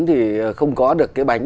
thì không có được cái bánh